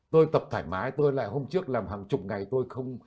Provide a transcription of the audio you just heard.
tôi tập thoải mái tôi lại hôm trước làm hàng chục ngày tôi không